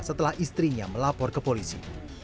setelah istrinya melapor ke polisi